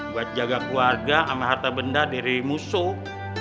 buat jaga keluarga sama harta benda diri musuh